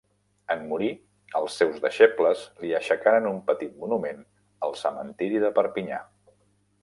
En morir, els seus deixebles li aixecaren un petit monument al cementiri de Perpinyà.